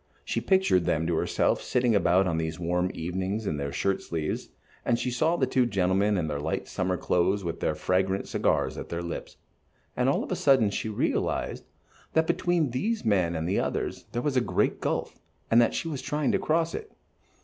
She pictured them to herself sitting about on these warm evenings in their shirt sleeves, and she saw the two gentlemen in their light summer clothes with their fragrant cigars at their lips, and all of a sudden she realized that between these men and the others there was a great gulf, and that she was trying to cross it.